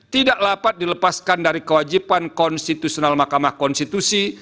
tidak dapat dilepaskan dari kewajiban konstitusional mahkamah konstitusi